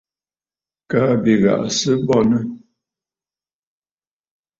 Kaa bì ghàʼà sɨ̀ bɔŋə̀.